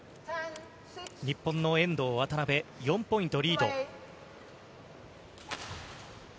日本の遠藤・渡辺、４ポイントリード。